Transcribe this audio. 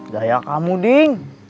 daya kamu ding